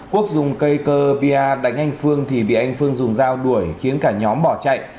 quốc dùng cây cơ bia đánh anh phương thì bị anh phương dùng dao đuổi khiến cả nhóm bỏ chạy